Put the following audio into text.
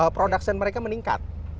production mereka meningkat